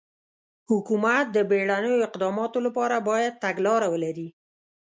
حکومت د بېړنیو اقداماتو لپاره باید تګلاره ولري.